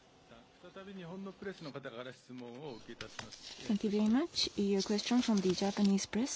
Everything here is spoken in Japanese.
再び日本のプレスの方から質問をお受けいたします。